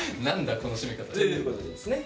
この締め方。ということですね。